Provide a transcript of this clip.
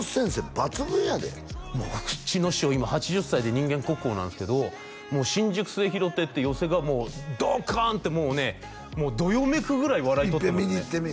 抜群やでうちの師匠今８０歳で人間国宝なんですけど新宿末廣亭っていう寄席がもうドカーンってもうねどよめくぐらい笑い取ってますね一遍見に行ってみ